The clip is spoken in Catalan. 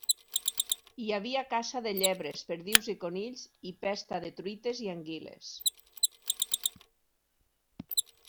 Hi havia caça de llebres, perdius i conills i pesta de truites i anguiles.